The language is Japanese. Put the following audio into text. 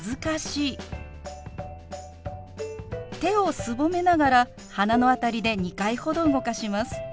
手をすぼめながら鼻の辺りで２回ほど動かします。